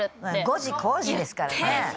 「５時こーじ」ですからね。